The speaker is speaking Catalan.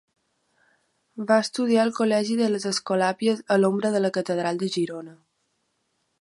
Va estudiar al col·legi de les Escolàpies a l'ombra de la Catedral de Girona.